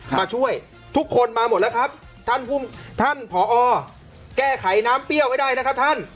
มาช่วยทุกคนมาหมดแล้วครับท่านผอแก้ไขน้ำเปรี้ยวไว้ได้นะครับท่าน